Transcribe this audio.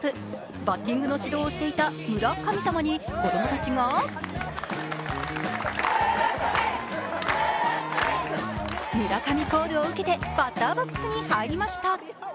バッティングの指導をしていた村神様に子供たちが村上コールを受けてバッターボックスに入りました。